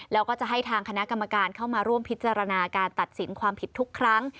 แล้วก็จะให้ทางคณะกรรมการเข้ามาร่วมพิจารณาการตัดสินความผิดทุกครั้ง